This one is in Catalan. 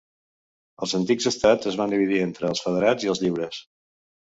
Els antics estats es van dividir entre els federats i els lliures.